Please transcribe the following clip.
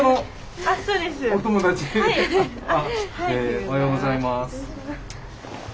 おはようございます。